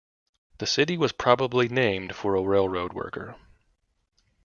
The city was probably named for a railroad worker.